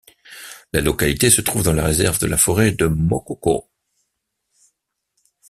La localité se trouve dans la réserve de la forêt de Mokoko.